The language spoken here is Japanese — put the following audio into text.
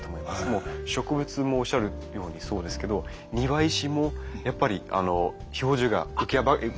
もう植物もおっしゃるようにそうですけど庭石もやっぱり表情が浮き上がって。